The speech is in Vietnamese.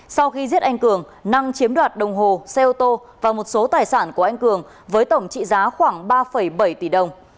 sau khi giết anh cường năng chiếm đoạt đồng hồ xe ô tô và một số tài sản của anh cường với tổng trị giá khoảng ba bảy tỷ đồng